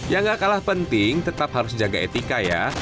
yang gak kalah penting tetap harus jaga etika ya